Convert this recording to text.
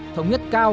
thống nhất cao